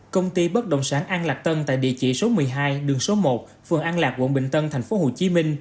công ty bất động sản an lạc tân tại địa chỉ số một mươi hai đường số một phường an lạc quận bình tân tp hcm